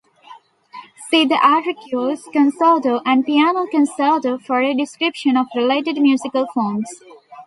See the artirucles concerto and piano concerto for a description of related musical forms.